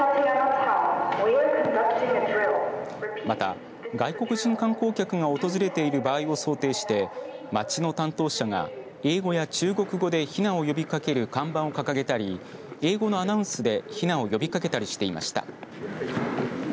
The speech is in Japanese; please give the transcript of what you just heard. また外国人観光客が訪れている場合を想定して町の担当者が英語や中国語で避難を呼びかける看板を掲げたり英語のアナウンスで避難を呼びかけたりしていました。